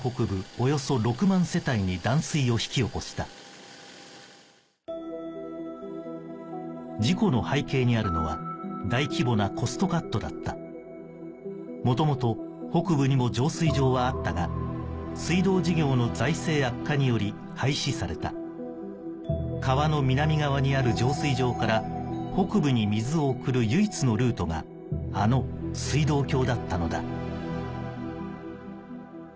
およそ６万世帯に断水を引き起こした事故の背景にあるのは大規模なコストカットだった元々北部にも浄水場はあったが水道事業の財政悪化により廃止された川の南側にある浄水場から北部に水を送る唯一のルートがあの水道橋だったのだ